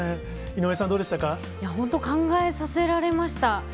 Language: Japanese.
井上さん、本当、考えさせられました。